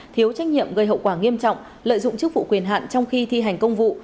thiếu trách nhiệm gây hậu quả nghiêm trọng lợi dụng chức vụ quyền hạn trong khi thi hành công vụ